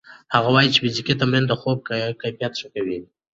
هغه وايي چې فزیکي تمرین د خوب کیفیت ښه کوي.